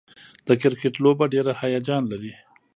د کرکټ لوبه ډېره هیجان لري.